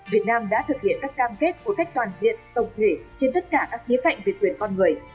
việt nam đã thực hiện các cam kết một cách toàn diện tổng thể trên tất cả các khía cạnh về quyền con người